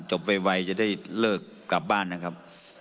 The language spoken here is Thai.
ไวจะได้เลิกกลับบ้านนะครับ